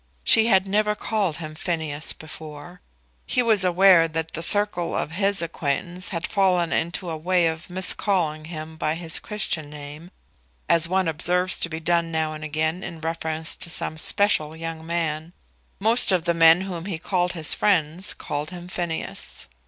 She had never called him Phineas before. He was aware that the circle of his acquaintance had fallen into a way of miscalling him by his Christian name, as one observes to be done now and again in reference to some special young man. Most of the men whom he called his friends called him Phineas.